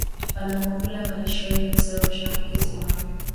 wanapokula malishoni na kusababisha maambukizi mapya